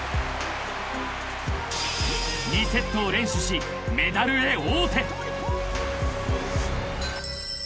［２セットを連取しメダルへ王手］